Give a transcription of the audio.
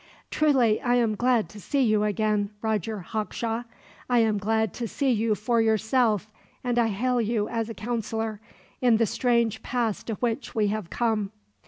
"Truly, I am glad to see you again, Roger Hawkshaw. I am glad to see you for yourself, and I hail you as a counselor, in the strange pass to which we have come.